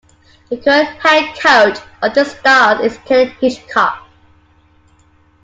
The current head coach of the Stars is Ken Hitchcock.